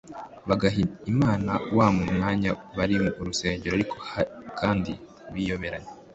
Bagaha Imana wa mwanya bari mu rusengero ariko kandi biyoberanya